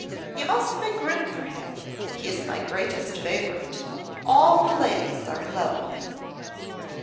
You must make room for him; he is my greatest favourite. All the ladies are in love with him.